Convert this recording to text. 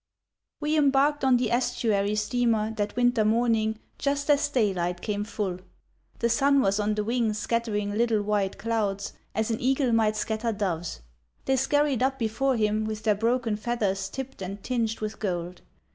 We embarked on the estuary steamer that winter morning just as daylight came full. The sun was on the wing scattering little white clouds, as an eagle might scatter doves. They scurried up before him with their broken feathers tipped and tinged with gold.